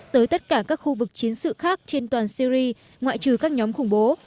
tới tất cả các khu vực chiến sự khác trên toàn syri ngoại trừ các nhóm khủng bố